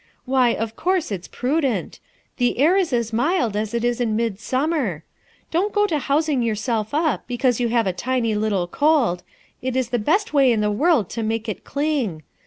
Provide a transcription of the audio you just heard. Why, of course, it's prudent. The air is as mild as it is in midsummer. Don't go to housing yourself up because you have a tiny little cold; it is the best way in the world to make it cling.